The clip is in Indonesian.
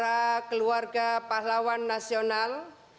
dan keluarga pahlawan nasional